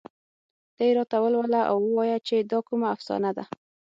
ته یې راته ولوله او ووايه چې دا کومه افسانه ده